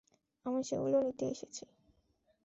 আমি সেগুলো নিতে এসেছি।